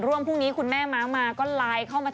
เออมันชื่อเหมือนกันอีก